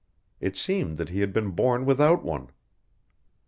It seemed that he had been born without one.